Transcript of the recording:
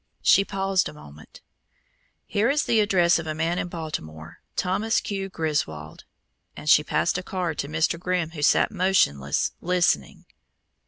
She paused a moment. "Here is the address of a man in Baltimore, Thomas Q. Griswold," and she passed a card to Mr. Grimm, who sat motionless, listening.